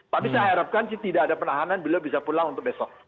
tapi saya harapkan sih tidak ada penahanan beliau bisa pulang untuk besok